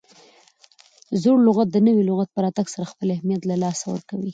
زوړ لغت د نوي لغت په راتګ سره خپل اهمیت له لاسه ورکوي.